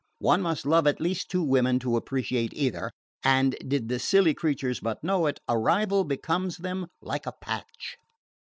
One must love at least two women to appreciate either; and, did the silly creatures but know it, a rival becomes them like a patch."